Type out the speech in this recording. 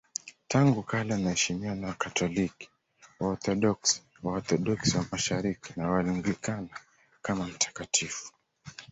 Tangu kale anaheshimiwa na Wakatoliki, Waorthodoksi, Waorthodoksi wa Mashariki na Waanglikana kama mtakatifu.